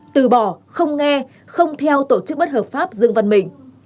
từ bỏ không nghe không theo tổ chức bất hợp pháp dương văn mình